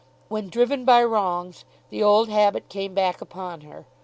When driven by wrongs the old habit came back upon her.